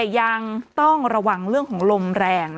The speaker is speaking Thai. ยังต้องระวังเรื่องของลมแรง